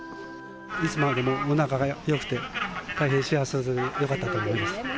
いつまでもお仲がよくて、大変幸せそうでよかったと思います。